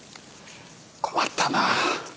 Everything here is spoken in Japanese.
困ったな。